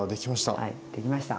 はいできました。